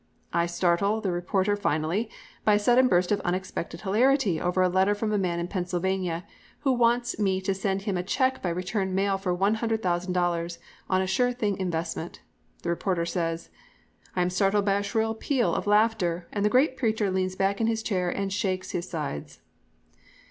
I "startle" the reporter finally, by a sudden burst of unexpected hilarity over a letter from a man in Pennsylvania who wants me to send him a cheque by return mail for one hundred thousand dollars, on a sure thing investment. The reporter says: "I am startled by a shrill peal of laughter, and the great preacher leans back in his chair and shakes his sides."